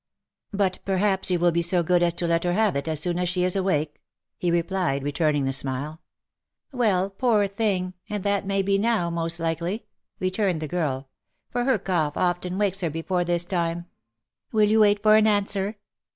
" But perhaps you will be so good as to let her have it as soon as she is awake ?" he replied, returning the smile. " Well, poor thing, and that may be now, most likely," returned 336 THE LIFE AND ADVENTURES turned the girl, " for her cough often wakes her before this time. Will you wait for an answer